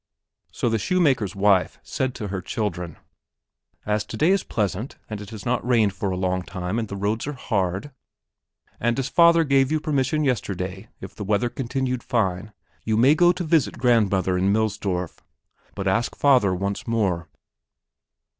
So the shoemaker's wife said to her children: "As today is pleasant and it has not rained for a long time and the roads are hard, and as father gave you permission yesterday, if the weather continued fine, you may go to visit grandmother in Millsdorf; but ask father once more."